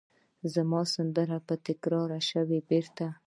زما سندره به تکرار شي بیرته